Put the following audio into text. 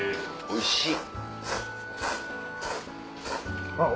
おいしい。